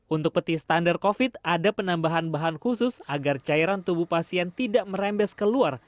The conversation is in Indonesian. untuk peti standar covid ada penambahan bahan khusus agar cairan tubuh pasien tidak merembes keluar